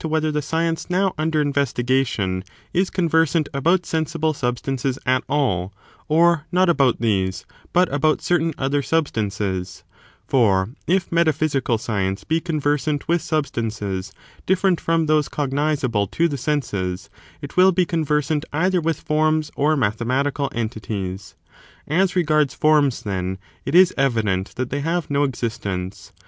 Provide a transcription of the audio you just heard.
,^.,,,,',^.' J . J. X' • 8. Whatisits whether the science now under investigation is subject matter conversant about sensible substances at all,^ or ^]"j'^"°*'^" not about these, but about certain other sub stances 1 for if metaphysical science be conversant with sub stances dififerent from those cognisable to the senses^ it will be conversant either with forms or mathematical entities. As regards forms, then, it is evident that they have no exist ence.